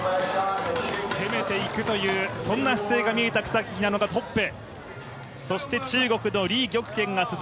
攻めていくという、そんな姿勢が見えた草木ひなのがトップ。